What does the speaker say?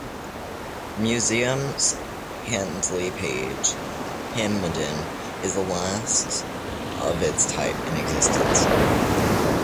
The museum's Handley Page Hampden is the last of its type in existence.